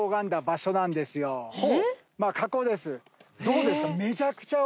どうですか？